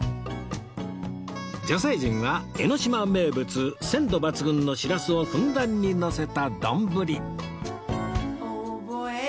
女性陣は江の島名物鮮度抜群のしらすをふんだんにのせた丼